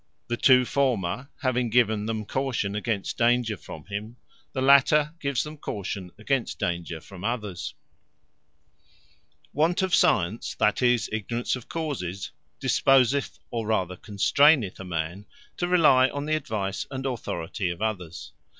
The two former, having given them caution against danger from him; the later gives them caution against danger from others. And From The Ignorance Of Naturall Causes Want of Science, that is, Ignorance of causes, disposeth, or rather constraineth a man to rely on the advise, and authority of others.